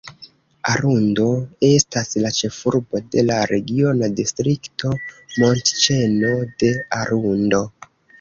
Arundo estas la ĉefurbo de la regiona distrikto "Montĉeno de Arundo".